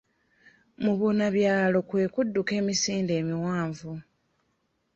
Mubunabyalo kwe kudduka emisinde emiwanvu.